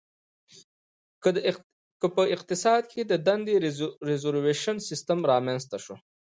د کا اقتصاد کې د دندې د ریزروېشن سیستم رامنځته شو.